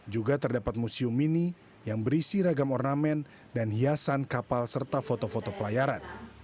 juga terdapat museum mini yang berisi ragam ornamen dan hiasan kapal serta foto foto pelayaran